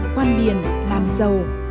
quan điện làm dầu